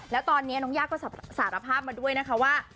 แล้วตอนนี้น้องย่าก็สารภาพมาด้วยนะคะว่า